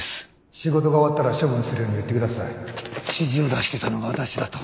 「仕事が終わったら処分するように言ってください」指示を出していたのが私だと。